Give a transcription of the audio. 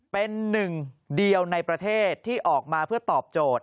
เป็นหนึ่งเดียวในประเทศที่ออกมาเพื่อตอบโจทย